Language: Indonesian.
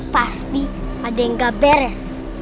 pasti ada yang gak beres